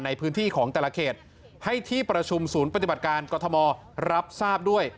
ในพื้นที่ของแต่ละเขตให้ที่ประชุมศูนย์ปฏิบัติการกรทมรับทราบด้วย